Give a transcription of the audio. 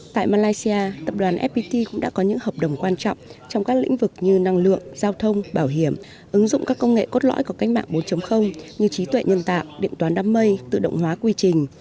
tại malaysia tập đoàn fpt cũng đã có những hợp đồng quan trọng trong các lĩnh vực như năng lượng giao thông bảo hiểm ứng dụng các công nghệ cốt lõi của cách mạng bốn như trí tuệ nhân tạo điện toán đám mây tự động hóa quy trình